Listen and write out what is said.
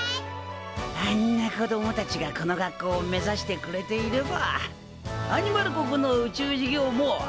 あんな子供たちがこの学校を目指してくれていればアニマル国の宇宙事業も安心だな。